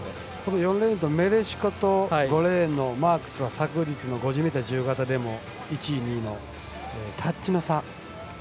４レーン、メレシコと５レーンのマークスは５０ｍ自由形でも１位、２位のタッチの差。